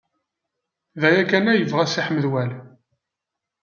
D aya kan ay yebɣa Si Ḥmed Waɛli.